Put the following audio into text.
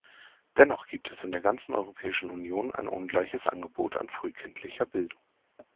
Dennoch gibt es in der ganzen Europäischen Union ein ungleiches Angebot an frühkindlicher Bildung.